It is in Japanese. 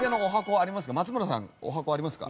松村さん十八番ありますか？